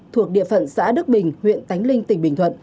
thuộc địa phận xã đức bình huyện tánh linh tỉnh bình thuận